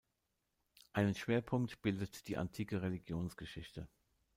Einen Schwerpunkt bildet die Antike Religionsgeschichte.